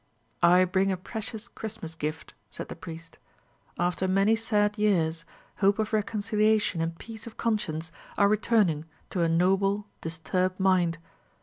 "I bring a precious Christmas gift," said the priest. "After many sad years, hope of reconciliation and peace of conscience are returning to a noble, disturbed mind.